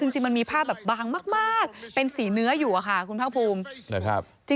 จริงมันมีภาพแบบบางมากเป็นสีเนื้ออยู่ค่ะคุณภาคภูมินะครับ